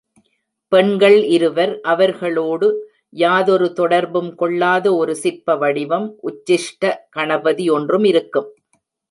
பெண்கள் இருவர், அவர்களோடு யாதொரு தொடர்பும் கொள்ளாத ஒரு சிற்பவடிவம் உச்சிஷ்ட கணபதி ஒன்றும் இருக்கும்.